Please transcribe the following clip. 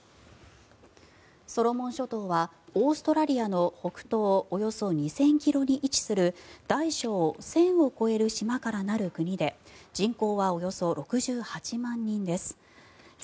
ソロモン諸島はオーストラリアの北東およそ２０００ｋｍに位置する大小１０００を超える島からなる国で人口はおよそ６８万人です。